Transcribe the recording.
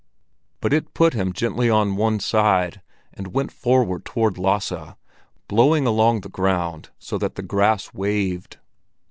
But it put him gently on one side and went forward toward Lasse, blowing along the ground so that the grass waved.